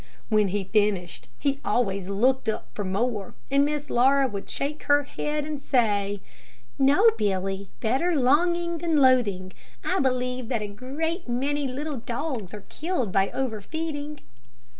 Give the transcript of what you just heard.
When he finished he always looked up for more, and Miss Laura would shake her head and say "No, Billy; better longing than loathing. I believe that a great many little dogs are killed by over feeding."